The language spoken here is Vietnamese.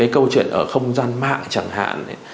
câu chuyện ở không gian mạng chẳng hạn